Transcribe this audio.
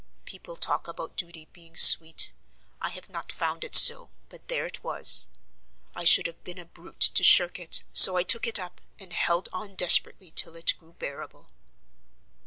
People talk about duty being sweet; I have not found it so, but there it was: I should have been a brute to shirk it; so I took it up, and held on desperately till it grew bearable."